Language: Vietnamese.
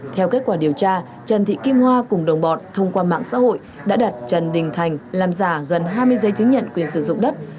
theo kết quả điều tra trần thị kim hoa cùng đồng bọn thông qua mạng xã hội đã đặt trần đình thành làm giả gần hai mươi giấy chứng nhận quyền sử dụng đất